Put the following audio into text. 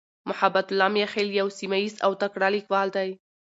محبتالله "میاخېل" یو سیمهییز او تکړه لیکوال دی.